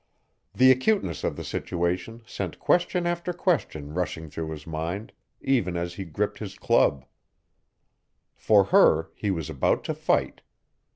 The acuteness of the situation sent question after question rushing through his mind, even as he gripped his club, For her he was about to fight.